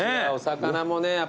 お魚もね